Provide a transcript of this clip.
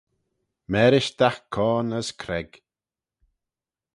Marish dagh coan as creg.